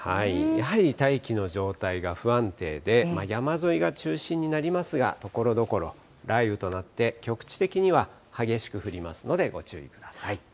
やはり大気の状態が不安定で、山沿いが中心になりますが、ところどころ雷雨となって、局地的には激しく降りますのでご注意ください。